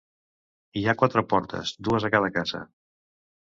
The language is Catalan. Hi ha quatre portes, dues a cada casa.